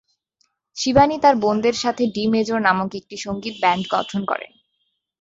শিবানী তার বোনদের সাথে ডি-মেজর নামক একটি সঙ্গীত ব্যান্ড গঠন করেন।